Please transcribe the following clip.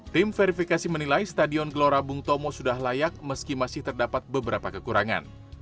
tim verifikasi menilai stadion gelora bung tomo sudah layak meski masih terdapat beberapa kekurangan